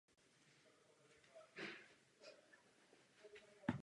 Byl jedním z nejmocnějších šlechticů Evropy své doby.